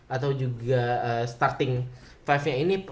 atau juga starting lima nya ini